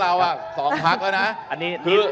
เราสองทักครู่แล้ว